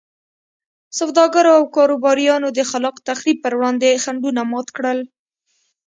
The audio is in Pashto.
سوداګرو او کاروباریانو د خلاق تخریب پر وړاندې خنډونه مات کړل.